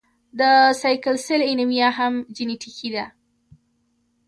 د سیکل سیل انیمیا هم جینیټیکي ده.